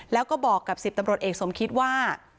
แล้วก็บอกกับ๑๐ตำรวจเอกสมคิดว่า